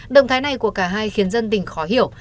động thái này của cả hai khiến dân tình khó hiểu